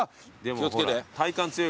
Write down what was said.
気を付けて。